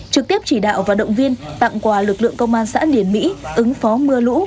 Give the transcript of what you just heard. trực tiếp chỉ đạo và động viên tặng quà lực lượng công an xã điển mỹ ứng phó mưa lũ